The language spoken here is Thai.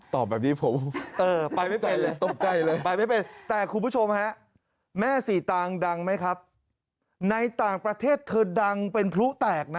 แบบนี้ผมเออไปไม่เป็นเลยตกใจเลยไปไม่เป็นแต่คุณผู้ชมฮะแม่สีตางดังไหมครับในต่างประเทศเธอดังเป็นพลุแตกนะ